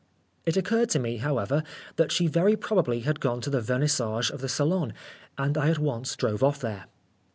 It occurred to me, however, that she very probably had gone to the Vernissage of the Salon, and I at once drove off there.